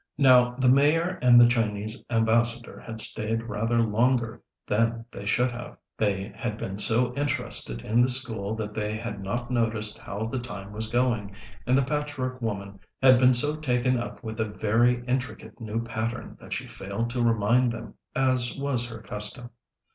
Now the Mayor and the Chinese Ambassador had staid rather longer than they should have. They had been so interested in the school that they had not noticed how the time was going, and the Patchwork Woman had been so taken up with a very intricate new pattern that she failed to remind them, as was her custom.